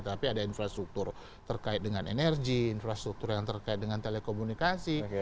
tapi ada infrastruktur terkait dengan energi infrastruktur yang terkait dengan telekomunikasi